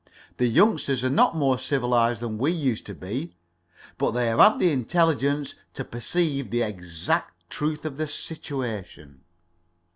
The youngsters are not more civilized than we used to be, but they have had the intelligence to perceive the exact truth of the situation."